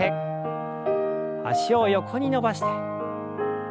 脚を横に伸ばして。